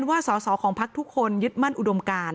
และการแสดงสมบัติของแคนดิเดตนายกนะครับ